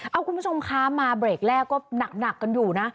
เอาคุณผู้ชมคะมาเบรกแรกก็หนักกันอยู่นะ